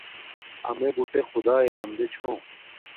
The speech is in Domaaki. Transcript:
امݺ بُٹݺ خدݳیݺ بندݺ چھݸم.